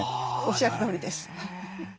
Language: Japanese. おっしゃるとおりです。